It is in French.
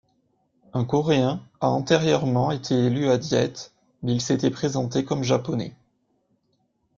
Un coréen a antérieurement été élu à Diète mais il s'était présenté comme japonais.